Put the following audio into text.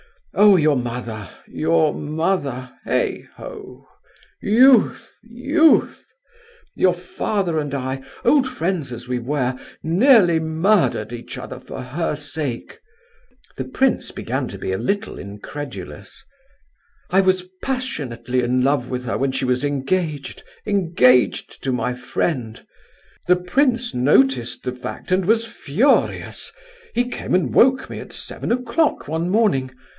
Oh—your mother, your mother! heigh ho! Youth—youth! Your father and I—old friends as we were—nearly murdered each other for her sake." The prince began to be a little incredulous. "I was passionately in love with her when she was engaged—engaged to my friend. The prince noticed the fact and was furious. He came and woke me at seven o'clock one morning.